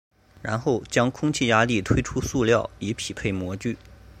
然后将空气压力推出塑料以匹配模具。